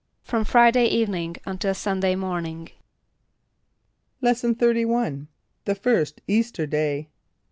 =From Friday evening until Sunday morning.= Lesson XXXI. The First Easter Day.